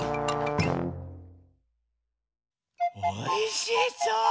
おいしそう！